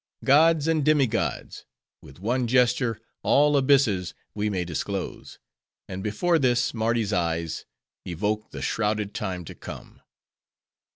"Gods and demi gods! With one gesture all abysses we may disclose; and before this Mardi's eyes, evoke the shrouded time to come.